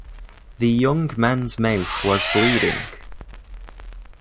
The young man’s mouth was bleeding.